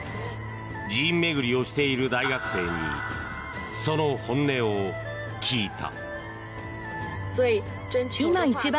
寺院巡りをしている大学生にその本音を聞いた。